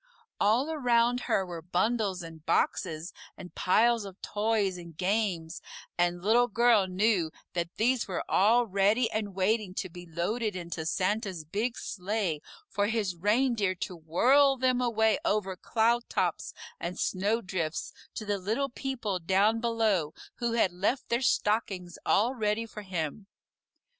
All around her were bundles and boxes and piles of toys and games, and Little Girl knew that these were all ready and waiting to be loaded into Santa's big sleigh for his reindeer to whirl them away over cloudtops and snowdrifts to the little people down below who had left their stockings all ready for him.